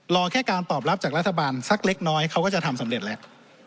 รอแค่การตอบรับจากรัฐบาลสักเล็กน้อยเขาก็จะทำสำเร็จแล้ว